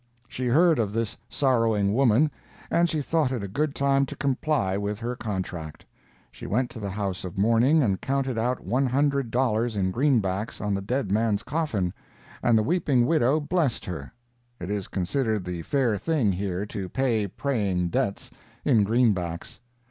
She heard of this sorrowing woman, and she thought it a good time to comply with her contract. She went to the house of mourning, and counted out one hundred dollars in greenbacks on the dead man's coffin, and the weeping widow blessed her. It is considered the fair thing here to pay praying debts in greenbacks.